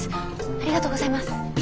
ありがとうございます。